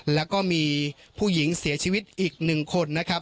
แล้วก็มีผู้หญิงเสียชีวิตอีก๑คนนะครับ